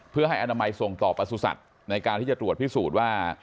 เพื่อให้อนามัยส่งต่อประสุทธิ์ในการที่จะตรวจพิสูจน์ว่า